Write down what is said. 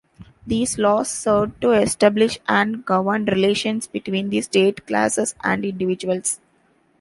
These laws served to establish and govern relations between the state, classes, and individuals.